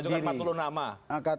mengajukan empat puluh nama